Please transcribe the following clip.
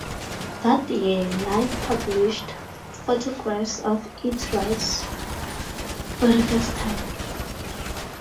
That year "Life" published photographs of its rites for the first time.